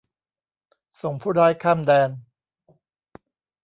ส่งผู้ร้ายข้ามแดน